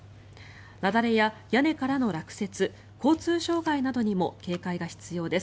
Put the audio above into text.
雪崩や屋根からの落雪交通障害などにも警戒が必要です。